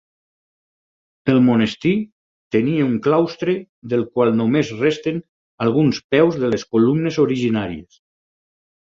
El monestir tenia un claustre del qual només resten alguns peus de les columnes originàries.